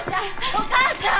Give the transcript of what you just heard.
お母ちゃん！